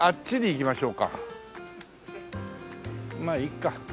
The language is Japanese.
まあいいか。